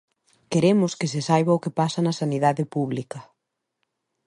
Queremos que se saiba o que pasa na sanidade pública.